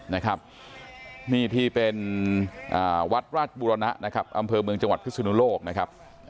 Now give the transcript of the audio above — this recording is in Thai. นี่ที่เป็นวัดราชบุรณะนะครับอำเภอเมืองจังหวัดพิศนุโลกนะครับ